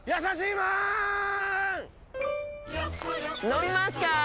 飲みますかー！？